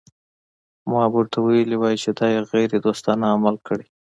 ما به ورته ویلي وای چې دا یې غیر دوستانه عمل کړی.